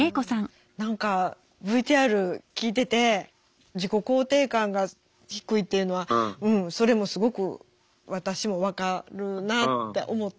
何かＶＴＲ聞いてて自己肯定感が低いっていうのはうんそれもすごく私も分かるなって思って。